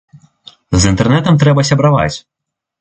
З інтэрнэтам трэба сябраваць.